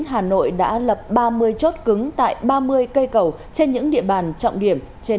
hà nội đã lập ba mươi chốt cứng tại ba mươi cây cầu trên những địa bàn trọng điểm trên